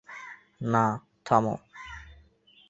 না, থামো।